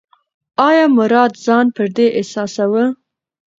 ایا مراد ځان پردی احساساوه؟